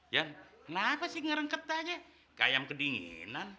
john kenapa sih ngerengket aja kayak yang kedinginan